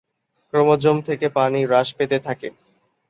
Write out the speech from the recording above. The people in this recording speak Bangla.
ক্রোমোজোম থেকে পানি হ্রাস পেতে থাকে।